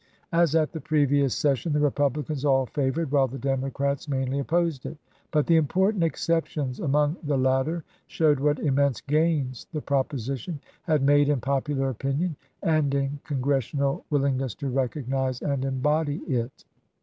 As at the previous session, the Eepublicans all favored, while the Democrats mainly opposed it ; but the important exceptions among the latter showed what immense gains the proposition had made in popular opinion and in Congressional wil lingness to recognize and embody it.